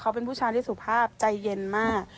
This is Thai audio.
เขาเป็นผู้ชายที่สุภาพใจเย็นมาก